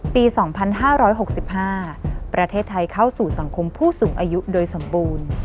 ปี๒๕๖๕ประเทศไทยเข้าสู่สังคมผู้สูงอายุโดยสมบูรณ์